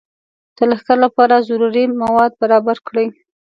د لښکر لپاره ضروري مواد برابر کړي.